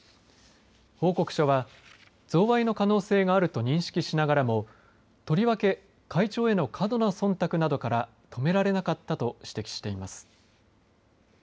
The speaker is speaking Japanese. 報告書は贈賄の可能性があると認識しながらもとりわけ会長への過度なそんたくなどから止められなかったと指摘しています。